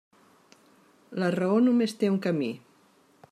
La raó només té un camí.